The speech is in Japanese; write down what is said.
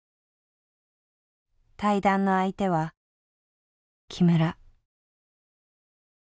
対談の相手は木村。